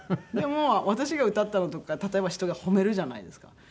でも私が歌ったのとか例えば人が褒めるじゃないですか。